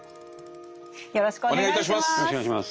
よろしくお願いします。